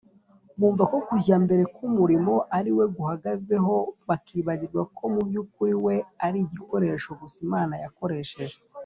, bumva ko kujya mbere k’umurimo ari we guhagazeho, bakibagirwa ko mu by’ukuri we ari igikoresho gusa Imana yakoresheje